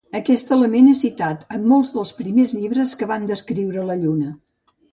Aquest element és citat en molts dels primers llibres que van descriure la Lluna.